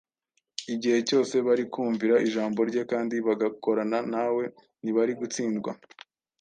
Igihe cyose bari kumvira ijambo Rye kandi bagakorana na we, ntibari gutsindwa.